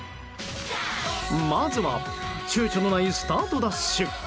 まずは、ちゅうちょのないスタートダッシュ！